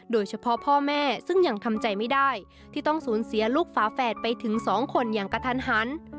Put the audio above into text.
โดยเฉพาะพ่อแม่ซึ่งยังทำใจไม่ได้ที่ต้องสูญเสียลูกฝาแฝดไปถึง๒คนอย่างกระทันหัน